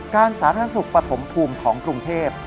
สาธารณสุขปฐมภูมิของกรุงเทพ